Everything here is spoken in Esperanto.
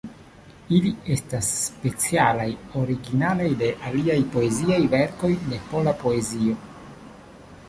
Ili estas specialaj, originalaj de aliaj poeziaj verkoj de pola poezio.